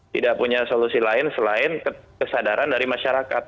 tidak punya solusi lain selain kesadaran dari masyarakat